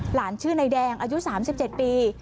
หลานชื่อนายแดงอายุ๓๗ปี